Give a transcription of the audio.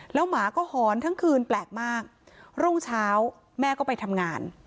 แล้วหมาก็หอนทั้งคืนแปลกมากรุ่งเช้าแม่ก็ไปทำงาน